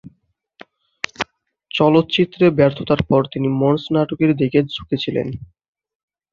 চলচ্চিত্রে ব্যর্থতার পর তিনি মঞ্চ নাটকের দিকে ঝুঁকে ছিলেন।